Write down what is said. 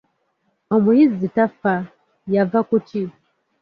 Omuyizzi tafa, yava ku ki?